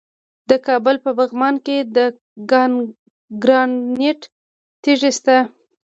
د کابل په پغمان کې د ګرانیټ تیږې شته.